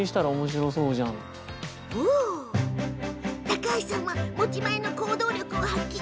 高橋さんは持ち前の行動力を発揮。